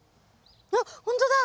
あっほんとだ！